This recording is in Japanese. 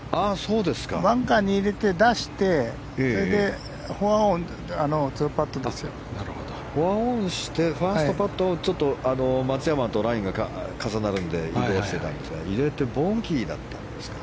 バンカーに入れて、出してそれでフォアオンしてファーストパットをちょっと松山とラインが重なるので入れてたんですが入れてボギーだったんですか。